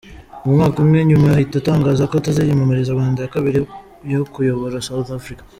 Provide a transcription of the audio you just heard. Umwaka umwe nyuma ahita atangaza ko ataziyamamariza manda ya kabiri yo kuyobora South Africa.